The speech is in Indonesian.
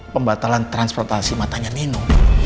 pembatalan transportasi matanya nino